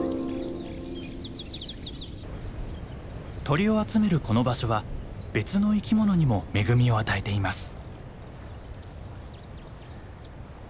鳥を集めるこの場所は別の生き物にも恵みを与えています。